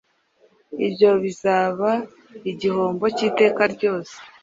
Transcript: ibyo bizaba igihombo cy’iteka ryose.